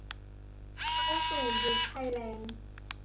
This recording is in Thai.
เข้าสู่ยุคไทยแลนด์